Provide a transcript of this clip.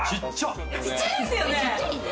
ちっちゃいですよね。